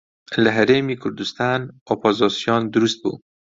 لە هەرێمی کوردستان ئۆپۆزسیۆن دروست بوو